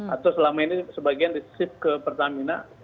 atau selama ini sebagian disip ke pertamina